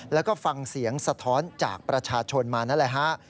แล้วก็ฟังเสียงสะท้อนจากประชาชนมานั่นแหละฮะ